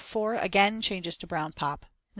4, again changes to brown pop. Nos.